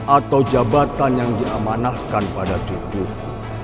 atau jabatan yang diamanahkan pada tubuhku